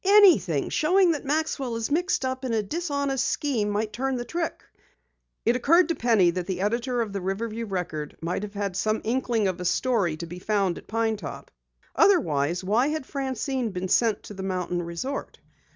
"Anything showing that Maxwell is mixed up in a dishonest scheme might turn the trick!" It occurred to Penny that the editor of the Riverview Record might have had some inkling of a story to be found at Pine Top. Otherwise, why had Francine been sent to the mountain resort?